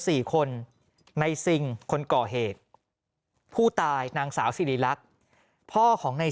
สี่คนในซิงคนก่อเหตุผู้ตายนางสาวสิริรักษ์พ่อของใน